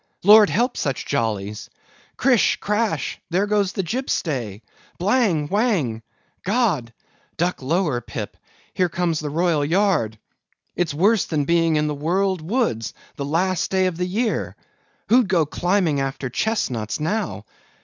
Lord help such jollies! Crish, crash! there goes the jib stay! Blang whang! God! Duck lower, Pip, here comes the royal yard! It's worse than being in the whirled woods, the last day of the year! Who'd go climbing after chestnuts now?